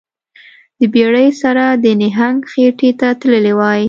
د بیړۍ سره د نهنګ خیټې ته تللی وای